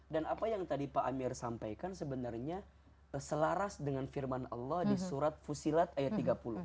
dan apa yang tadi pak amir sampaikan sebenarnya selaras dengan firman allah di surat fusilat ayat tiga puluh